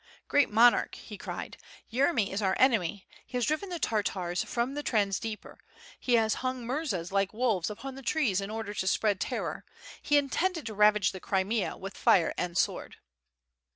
... "Great monarch," he cried, "Yeremy is our enemy. He has driven the Tartars from the Trans Dieper, he has hung murzas like wolves upon the trees in order to spread terror, he intended to ravage the Crimea with fire and sword."